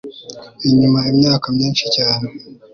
inyuma imyaka myinshi cyane